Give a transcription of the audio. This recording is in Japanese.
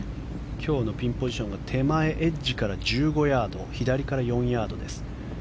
今日のピンポジションが手前エッジから１５ヤード左から４ヤードです。